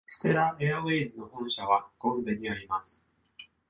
ステラ・エアウェイズの本社はゴンベにあります。